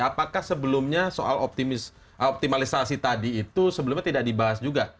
apakah sebelumnya soal optimalisasi tadi itu sebelumnya tidak dibahas juga